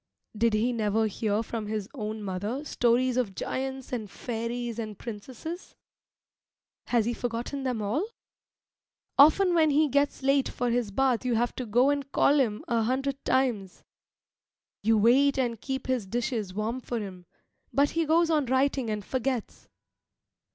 Did he never hear from his own mother stories of giants and fairies and princesses? Has he forgotten them all? Often when he gets late for his bath you have to go and call him an hundred times. You wait and keep his dishes warm for him, but he goes on writing and forgets.